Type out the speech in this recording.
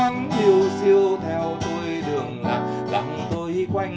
một mình ba đội cả